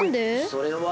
それは。